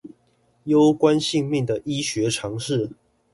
攸關性命的醫學常識